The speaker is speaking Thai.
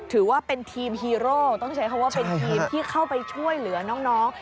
ถือว่าเป็นทีมฮีโร่ต้องใช้คำว่าเป็นทีมที่เข้าไปช่วยเหลือน้อง